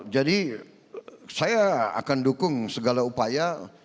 jadi saya akan dukung segala upaya